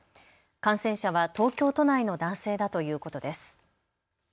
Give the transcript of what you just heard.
感染者は東京都内の男性だということです。